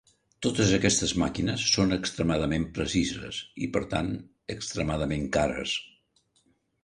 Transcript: Totes aquestes màquines són extremadament precises, i per tant, extremadament cares.